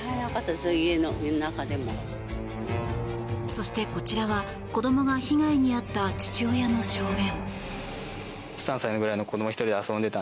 そしてこちらは子どもが被害に遭った父親の証言。